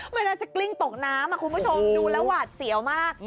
มันน่าจะกลิ้งตกน้ำคุณผู้ชมดูแล้วหวาดเสียวมาก